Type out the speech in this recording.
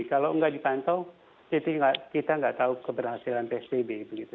kalau tidak dipantau kita tidak tahu keberhasilan psbb